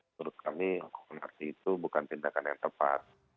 menurut kami hukuman mati itu bukan tindakan yang tepat